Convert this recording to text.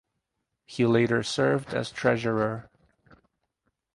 He later served as treasurer.